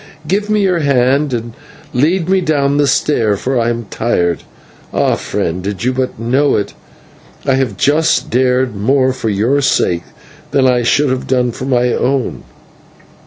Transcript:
Give me your hand and lead me down the stair, for I am tired. Ah, friend, did you but know it, I have just dared more for your sake than I should have done for my own."